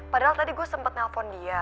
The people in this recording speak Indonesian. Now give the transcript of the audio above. padahal tadi gue sempet nelfon dia